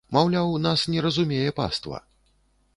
Маўляў, нас не зразумее паства.